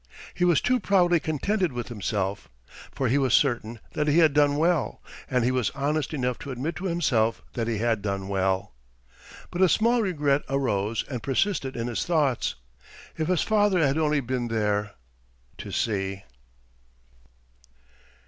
He was too proudly contented with himself, for he was certain that he had done well, and he was honest enough to admit to himself that he had done well. But a small regret arose and persisted in his thoughts—if his father had only been there to see!